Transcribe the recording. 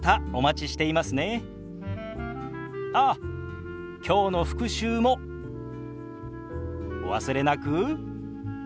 ああ今日の復習もお忘れなく。